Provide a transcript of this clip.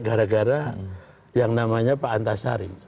gara gara yang namanya pak antasari